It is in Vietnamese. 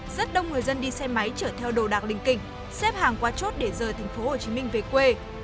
rất đông người dân đi xe máy chở theo đồ đạc linh kỉnh xếp hàng qua chốt để rời thành phố hồ chí minh về quê